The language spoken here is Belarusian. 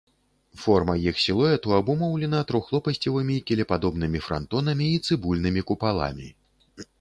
Форма іх сілуэту абумоўлена трохлопасцевымі кілепадобнымі франтонамі і цыбульнымі купаламі.